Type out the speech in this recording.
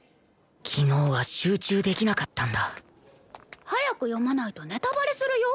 昨日は集中できなかったんだ早く読まないとネタバレするよ？